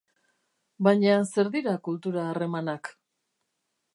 Baina zer dira kultura harremanak?